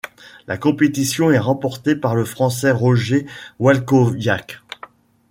La compétition est remportée par le Français Roger Walkowiak.